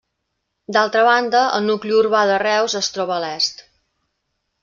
D'altra banda, el nucli urbà de Reus es troba a l'est.